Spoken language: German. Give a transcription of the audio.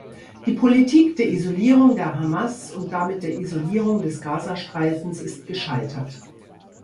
Die Politik der Isolierung der Hamas und damit der Isolierung des Gazastreifens ist gescheitert.